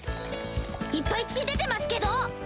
いっぱい血出てますけど！